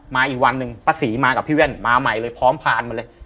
อีกวันหนึ่งป้าศรีมากับพี่แว่นมาใหม่เลยพร้อมพานมาเลย